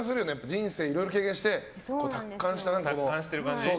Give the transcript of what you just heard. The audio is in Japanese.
人生いろいろ経験して、達観してる感じ。